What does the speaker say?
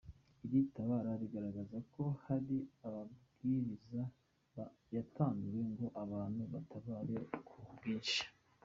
Iri tabara rigaragaza ko hari amabwiriza yatanzwe ngo abantu batabare ku bwinshi.